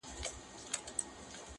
حجره د پښتنو ده څوک به ځي څوک به راځي!.